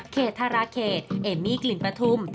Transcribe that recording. ธาราเขตเอมมี่กลิ่นปฐุม